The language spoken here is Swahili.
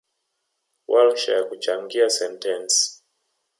Warsha ya kuchangia sentensi